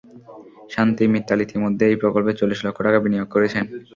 শান্তি, মিত্তাল ইতিমধ্যে এই প্রকল্পে চল্লিশ লক্ষ টাকা বিনিয়োগ করেছেন।